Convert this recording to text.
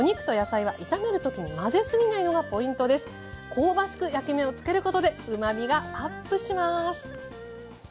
香ばしく焼き目をつけることでうまみがアップします。